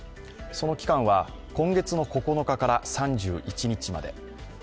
その期間は今月９日から３１日まで。